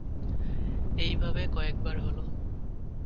এইভাবে কয়েকবার হল।